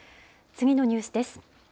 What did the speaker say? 次のニュースです。